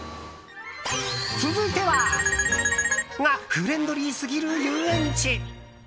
続いては？？がフレンドリーすぎる遊園地。